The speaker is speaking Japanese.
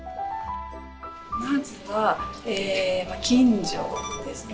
まずは近所ですね。